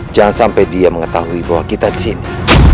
jangan sampai dia mengetahui bahwa kita disini